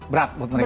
berat buat mereka